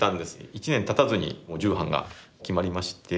１年たたずにもう重版が決まりまして。